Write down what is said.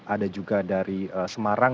ada juga dari semarang